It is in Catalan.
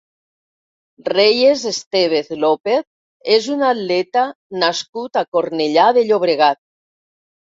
Reyes Estévez López és un atleta nascut a Cornellà de Llobregat.